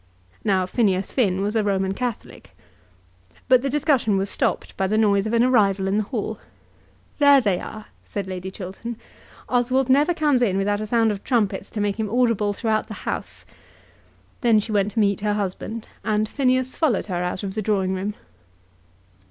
Now Phineas Finn was a Roman Catholic. But the discussion was stopped by the noise of an arrival in the hall. "There they are," said Lady Chiltern; "Oswald never comes in without a sound of trumpets to make him audible throughout the house." Then she went to meet her husband, and Phineas followed her out of the drawing room.